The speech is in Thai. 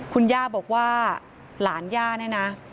คุณย่าบอกว่าหลานย่าเนี่ยนะ